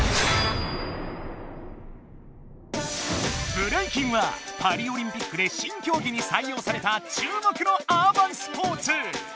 ブレイキンはパリオリンピックで新競技にさい用されたちゅう目のアーバンスポーツ！